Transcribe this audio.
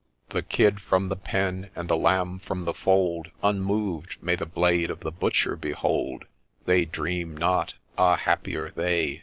The kid from the pen, and the lamb from the fold, Unmoved may the blade of the butcher behold ; They dream not — ah, happier they